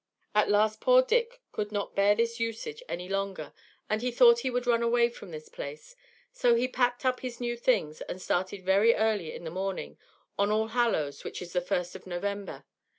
At last poor Dick could not bear this usage any longer, and he thought he would run away from his place; so he packed up his few things, and started very early in the morning, on All hallow's, which is the first of November.